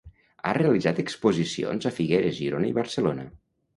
Ha realitzat exposicions a Figueres, Girona i Barcelona.